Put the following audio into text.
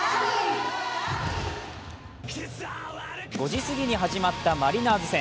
５時すぎに始まったマリナーズ戦。